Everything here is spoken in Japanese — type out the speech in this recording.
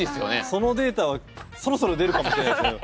そのデータはそろそろ出るかもしれないですけど。